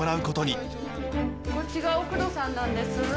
こっちがおくどさんなんです。